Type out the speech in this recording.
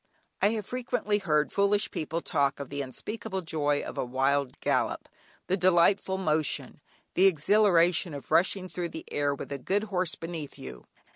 I have frequently heard foolish people talk of the unspeakable joy of a wild gallop, the delightful motion, the exhilaration of rushing through the air, with a good horse beneath you.